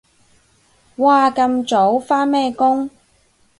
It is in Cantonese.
哇咁早？返咩工？